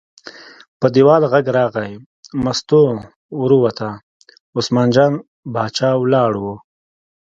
په دیوال غږ راغی، مستو ور ووته، عثمان جان باچا ولاړ و.